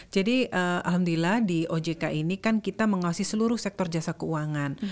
jadi alhamdulillah di ojk ini kan kita mengasih seluruh sektor jasa keuangan